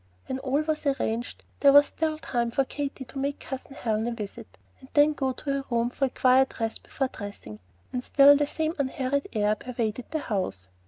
When all was arranged, there was still time for Katy to make Cousin Helen a visit, and then go to her room for a quiet rest before dressing; and still that same unhurried air pervaded the house.